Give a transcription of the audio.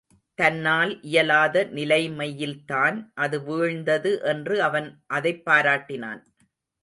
தன்னால் இயலாத நிலைமையில்தான் அது வீழ்ந்தது என்று அவன் அதைப் பாராட்டினான்.